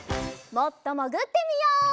もっともぐってみよう。